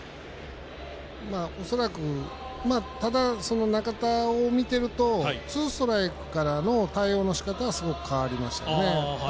ただ中田を見てるツーストライクから対応のしかたはすごく変わりましたね。